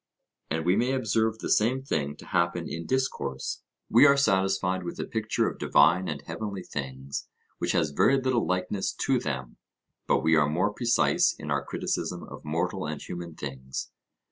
And we may observe the same thing to happen in discourse; we are satisfied with a picture of divine and heavenly things which has very little likeness to them; but we are more precise in our criticism of mortal and human things.